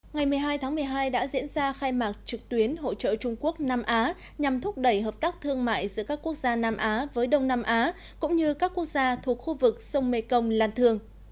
ngày một mươi hai tháng một mươi hai đã diễn ra khai mạc trực tuyến hỗ trợ trung quốc nam á nhằm thúc đẩy hợp tác thương mại giữa các quốc gia nam á với đông nam á cũng như các quốc gia thuộc khu vực sông mekong lan thường